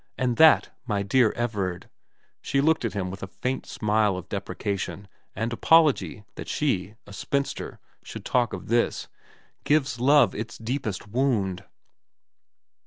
And that, my dear Everard ' she looked at him with a faint smile of deprecation and apology that she, a spinster, should talk of this ' gives love its deepest wound.'